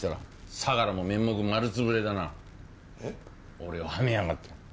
俺をはめやがって。